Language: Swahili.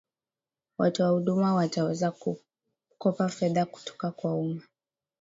watoa huduma wataweza kukopa fedha kutoka kwa umma